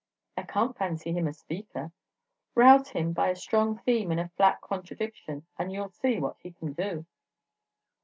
"I can't fancy him a speaker." "Rouse him by a strong theme and a flat contradiction, and you 'll see what he can do."